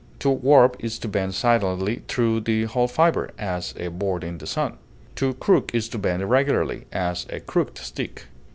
To warp is to bend silently through the whole fiber, as a board in the sun. To crook is to bend irregularly, as a crooked stick.